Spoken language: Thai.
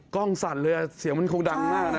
กล้องสั่นเลยเสียงมันคงดังมากนะ